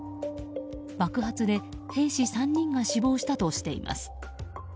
爆発で兵士３人が死亡したとしています。